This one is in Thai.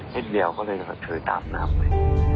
นิดเดียวก็เลยกระเทือตามน้ำไป